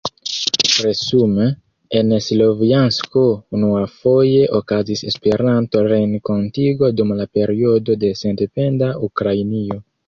Resume, en Slovjansko unuafoje okazis Esperanto-renkontigo dum la periodo de sendependa Ukrainio.